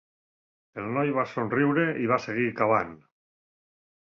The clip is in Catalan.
El noi va somriure i va seguir cavant.